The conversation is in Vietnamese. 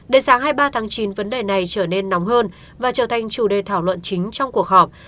đến sáng hai mươi ba tháng chín vấn đề này trở nên nóng hơn và trở thành chủ đề thảo luận chính trong cuộc họp